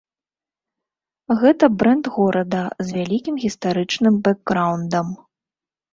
Гэта брэнд горада з вялікім гістарычным бэкграўндам.